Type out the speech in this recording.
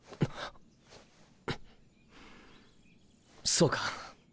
そうか。